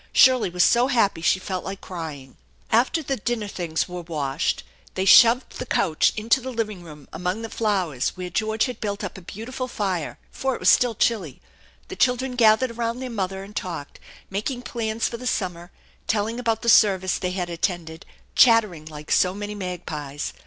Shirley was so happy she felt like crying. After the dinner things were washed they shoved the couch into the living room among the flowers, where George had built up a beautiful fire, for it was still chilly. The children gathered around their mother and talked, making plans for the summer, telling about the service they had attended, chattering like so many magpies.